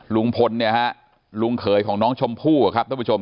ลุงพลเนี่ยฮะลุงเขยของน้องชมพู่ครับท่านผู้ชม